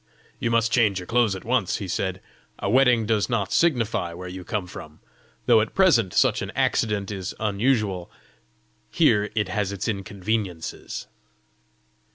"You must change your clothes at once!" he said. "A wetting does not signify where you come from though at present such an accident is unusual; here it has its inconveniences!"